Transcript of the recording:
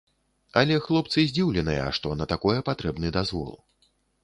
Але хлопцы здзіўленыя, што на такое патрэбны дазвол.